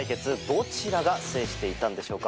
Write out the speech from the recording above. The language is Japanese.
どちらが制していたんでしょうか？